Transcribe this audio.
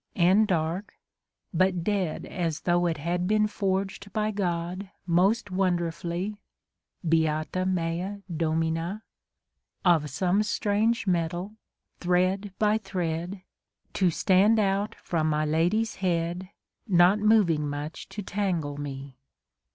And dark, but dead as though it had Been forged by God most wonderfully — Beata mea Domina !— Of some strange metal, thread by thread. To stand out from my lady's head, Not moving much to tangle me.